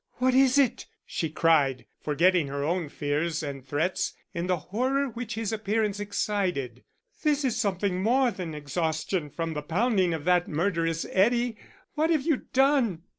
"What is it?" she cried, forgetting her own fears and threats in the horror which his appearance excited. "This is something more than exhaustion from the pounding of that murderous eddy. What have you done?